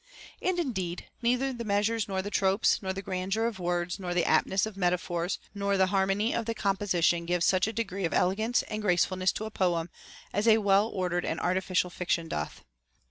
And indeed, neither the measures nor the tropes nor the grandeur of words nor the aptness of metaphors 46 HOW A YOUNG MAN OUGHT nor the harmony of the composition gives such a degree of elegance and gracefulness to a poem as a well ordered and artificial fiction doth.